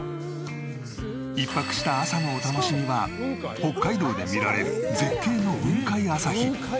１泊した朝のお楽しみは北海道で見られる絶景の雲海朝日。